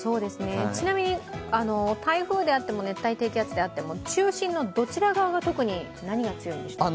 ちなみに、台風であっても熱帯低気圧であっても中心のどちら側が特に何が強いんですか？